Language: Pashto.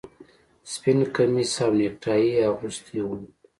سپین کمیس او نیکټايي یې اغوستي وو